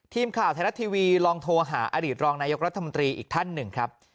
ทีมข่าวไทยรัฐทีวีลองโทรหาอดีตรองนายกรัฐมนตรีอีกท่านหนึ่งครับ